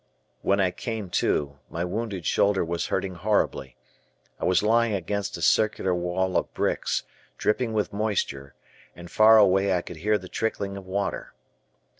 When I came to, my wounded shoulder was hurting horribly. I was lying against a circular wall of bricks, dripping with moisture, and far away I could hear the trickling of water.